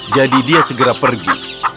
jadi dia segera pergi